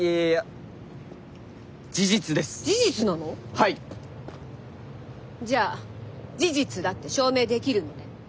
はい！じゃあ事実だって証明できるのね？